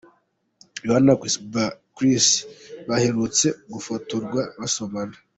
Rihanna na Chris baherutse gufotorwa basomana.